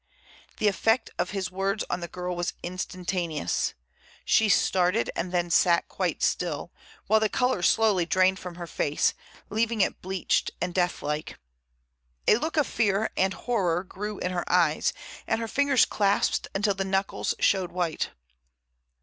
The effect of his words on the girl was instantaneous. She started and then sat quite still, while the color slowly drained from her face, leaving it bleached and deathlike. A look of fear and horror grew in her eyes, and her fingers clasped until the knuckles showed white.